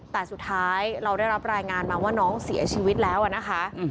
แต่สุดท้ายเราได้รับรายงานมาว่าน้องเสียชีวิตแล้วนะคะ